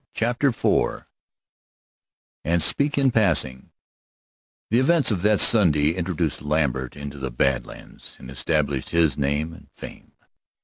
CHAPTER IV "AND SPEAK IN PASSING" The events of that Sunday introduced Lambert into the Bad Lands and established his name and fame.